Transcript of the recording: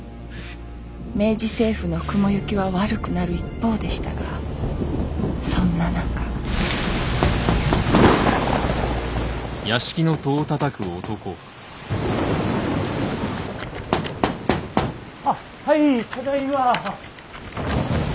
明治政府の雲行きは悪くなる一方でしたがそんな中あっはいただいま。